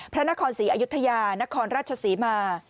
พระนครศรีอยุธยานครราชศรีมา